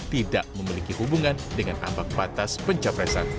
tidak memiliki hubungan dengan ambang batas pencapresan